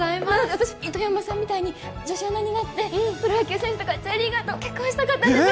私糸山さんみたいに女子アナになってプロ野球選手とかＪリーガーと結婚したかったんです